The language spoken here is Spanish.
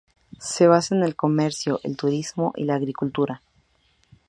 Se basa en el comercio, el turismo y la agricultura.